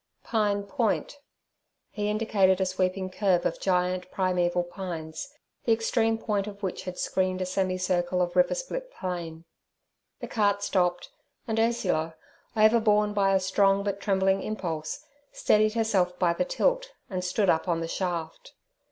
'Pine Point.' He indicated a sweeping curve of giant primeval pines, the extreme point of which had screened a semicircle of river split plain. The cart stopped, and Ursula, overborne by a strong but trembling impulse, steadied herself by the tilt, and stood up on the shaft.